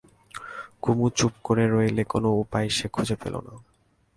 কুমু চুপ করে রইল, কোনো উপায় সে খুঁজে পেল না।